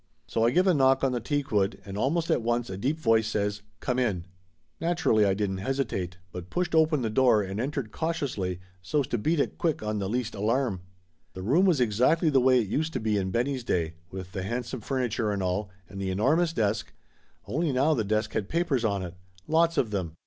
So I give a knock on the teakwood, and almost at once a deep voice says "Come in." Naturally I didn't hesitate, but pushed open the door and entered cautiously, so's to. beat it quick on the least alarm. The room was exactly the way it used to be in Benny's day, with the handsome furniture and all, and the enormous desk, only now the desk had papers on it lots of them.